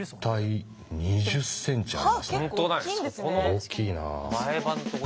大きいな。